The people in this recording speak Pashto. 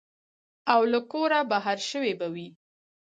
او له کوره بهر شوي به وي.